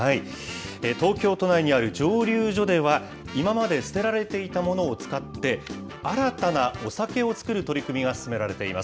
東京都内にある蒸留所では、今まで捨てられていたものを使って、新たなお酒を造る取り組みが進められています。